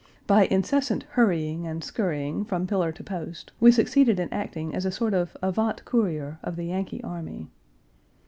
By incessant hurrying and scurrying from pillar to post, we succeeded in acting as a sort of avant courier of the Yankee army.